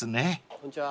こんにちは。